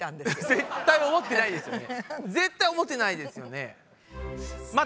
絶対思ってないですよね。